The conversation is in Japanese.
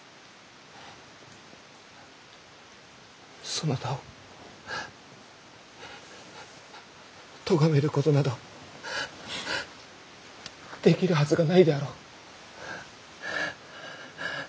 そなたをとがめることなどできるはずがないであろう。